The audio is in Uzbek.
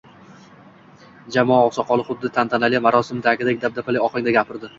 Jamoa oqsoqoli xuddi tantanali marosimdagiday dabdabali ohangda gapirdi.